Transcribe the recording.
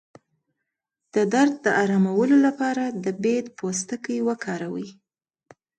د درد د ارامولو لپاره د بید پوستکی وکاروئ